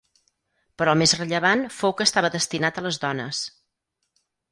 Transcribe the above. Però el més rellevant fou que estava destinat a les dones.